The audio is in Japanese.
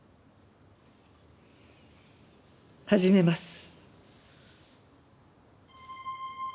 始めます。